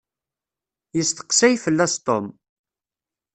Yesteqsay fell-as Tom.